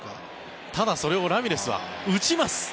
ただ、それをラミレスは打ちます。